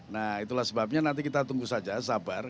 nah itulah sebabnya nanti kita tunggu saja sabar